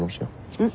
うん。